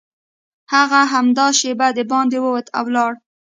هغه همدا شېبه دباندې ووت او لاړ